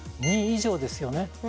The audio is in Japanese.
２以上ですよね？